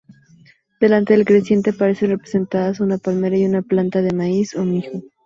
Delante del creciente aparecen representadas una palmera y una planta de maíz o mijo.